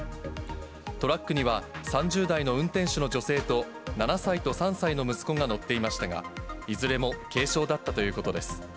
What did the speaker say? トラックには、３０代の運転手の女性と、７歳と３歳の息子が乗っていましたが、いずれも軽傷だったということです。